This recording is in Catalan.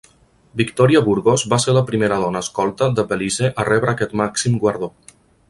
Victoria Burgos va ser la primera dona escolta de Belize a rebre aquest màxim guardó.